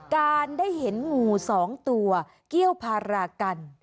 การได้เห็นงู๒ตัวเกี้ยวพารากัน